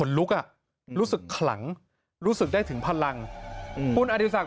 ลุกอ่ะรู้สึกขลังรู้สึกได้ถึงพลังคุณอดีศักดิ